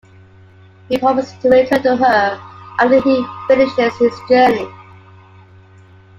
He promises to return to her after he finishes his journey.